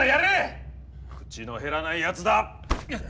口の減らないやつだ。